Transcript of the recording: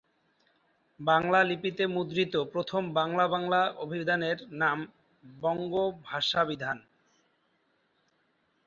বাংলালিপিতে মুদ্রিত প্রথম বাংলা-বাংলা অভিধানের নাম বঙ্গভাষাভিধান।